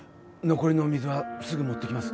残りの水はすぐ持ってきます